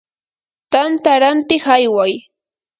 tanta rantiq ayway.